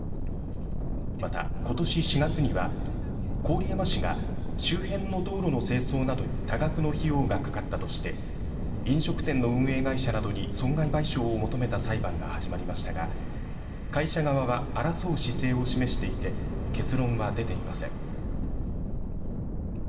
また、ことし４月には郡山市が周辺の道路の清掃などに多額の費用がかかったとして飲食店の運営会社などに損害賠償を求めた裁判が始まりましたが、会社側は争う姿勢を示していて結論は出ていません。